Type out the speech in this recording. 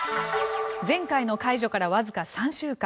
前回の解除からわずか３週間。